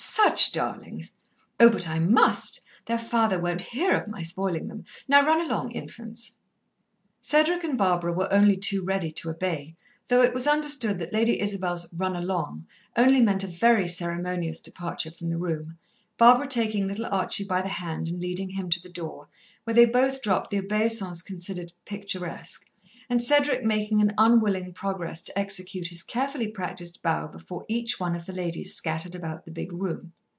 "Such darlings!" "Oh, but I must! Their father won't hear of my spoilin' them. Now run along, infants." Cedric and Barbara were only too ready to obey, though it was understood that Lady Isabel's "run along" only meant a very ceremonious departure from the room, Barbara taking little Archie by the hand and leading him to the door, where they both dropped the obeisance considered "picturesque," and Cedric making an unwilling progress to execute his carefully practised bow before each one of the ladies scattered about the big room.